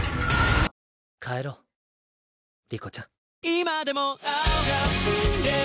帰ろう理子ちゃん。